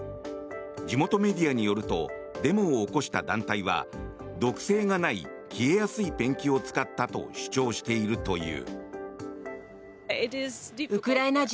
地元メディアによるとデモを起こした団体は毒性がない消えやすいペンキを使ったと主張しているという。